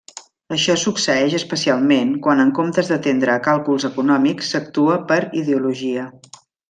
Això succeeix especialment quan en comptes d'atendre a càlculs econòmics, s'actua per ideologia.